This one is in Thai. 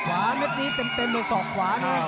ขวาเม็ดนี้เต็มในสอบขวานี้